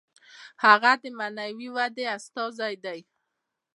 هغه د معنوي ودې استازی دی.